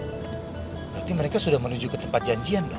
berarti mereka sudah menuju ke tempat janjian kan